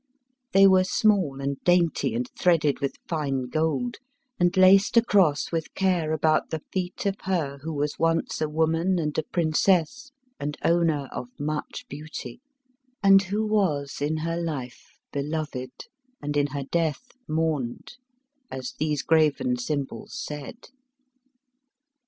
They were small and dainty and threaded with fine gold, and laced across with care about the feet of her who was once a woman and a princess and owner of much beauty, and who was in her life beloved, and in her death mourned; as these graven symbols said.